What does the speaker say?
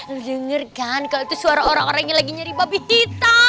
lu denger kan kalo itu suara orang orang yang lagi nyari babi hitam